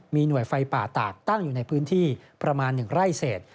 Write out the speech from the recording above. มีหน่วยไฟป่าตากตั้งอยู่ในพื้นที่ประมาณ๑ไร่เศษ